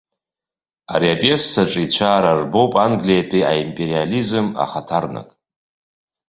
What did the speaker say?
Ари апиесаҿ ицәаара арбоуп англиатәи аимпериализм ахаҭарнак.